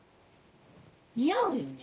似合うよね。